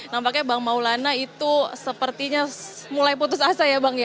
nampaknya bang maulana itu sepertinya mulai putus asa ya bang ya